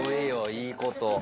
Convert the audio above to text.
いいこと。